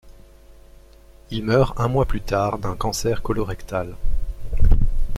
Il meurt un mois plus tard d'un cancer colorectal.